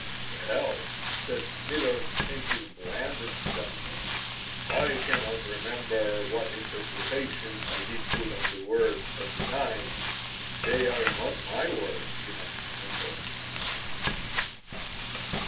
'" "Well," said Smithers, in his blandest tones, "I cannot remember what interpretation I did put on the words at the time. They are not my words, you must remember."